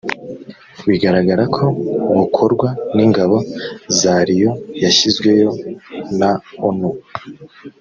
bigaragara ko bukorwa n’ingabo zariyo yashyizweyo na onu